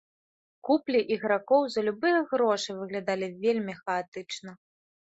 Куплі ігракоў за любыя грошы выглядалі вельмі хаатычна.